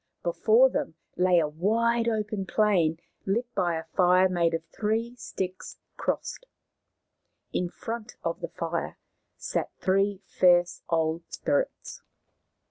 Before them lay a wide open plain, lit by a fire made of three sticks crossed. In front of the fire sat three fierce old spirits.